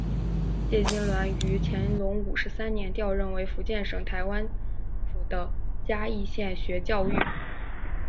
谢金銮于乾隆五十三年调任为福建省台湾府的嘉义县学教谕。